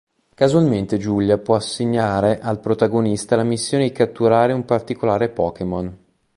Casualmente Giulia può assegnare al protagonista la missione di catturare un particolare Pokémon.